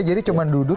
jadi cuma duduk